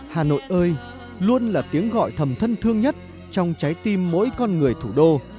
hà nội ơi luôn là tiếng gọi thầm thân thương nhất trong trái tim mỗi con người thủ đô